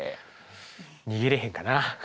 逃げれへんかな。